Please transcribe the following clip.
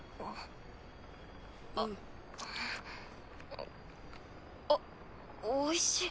あっおいしい。